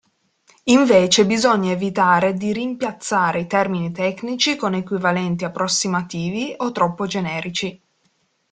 Invece bisogna evitare di rimpiazzare i termini tecnici con equivalenti approssimativi o troppo generici.